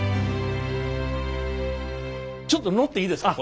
ちょっと乗っていいですか？